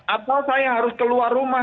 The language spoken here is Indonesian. atau saya harus keluar rumah